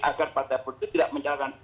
agar partai politik tidak menjalankan